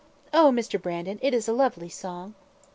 Oh! Mr. Brandon, it is a lovely song."